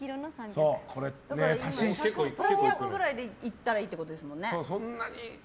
１２０ぐらいでいったらいいってことですよね。